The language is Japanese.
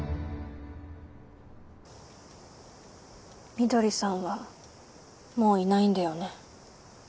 翠さんはもういないんだよね。